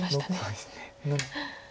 そうですね。